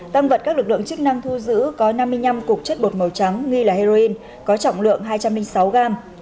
tăng vật các lực lượng chức năng thu giữ có năm mươi năm cục chất bột màu trắng nghi là heroin có trọng lượng hai trăm linh sáu gram